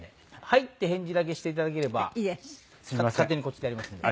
「はい」って返事だけしていただければ勝手にこっちでやりますんで。